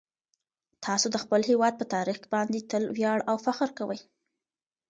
تاسو د خپل هیواد په تاریخ باندې تل ویاړ او فخر کوئ.